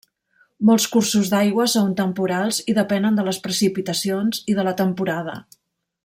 Molts cursos d'aigua són temporals i depenen de les precipitacions i de la temporada.